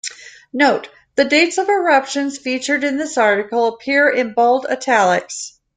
Note: The dates of eruptions featured in this article appear in bold italics.